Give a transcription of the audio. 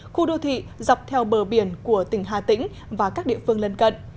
khu đô thị dọc theo bờ biển của tỉnh hà tĩnh và các địa phương lân cận